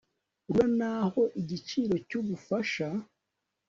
RURA naho igiciro cy ubufasha